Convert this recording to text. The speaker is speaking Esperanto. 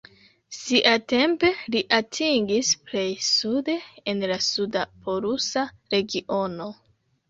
Siatempe, li atingis plej sude en la suda polusa regiono.